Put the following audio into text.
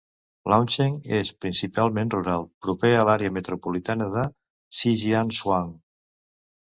Luancheng és principalment rural, proper a l'àrea metropolitana de Shijiazhuang.